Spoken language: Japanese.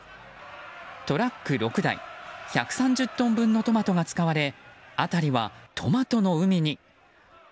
トラック６台１３０トン分のトマトが使われ辺りはトマトの海に。